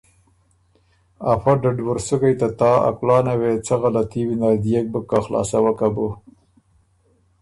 ا فه ډډوُرسُکئ ته تا ا کُلانه وې بيې څۀ غلطي وینر ديېک بُک که خلاصوکه بُو۔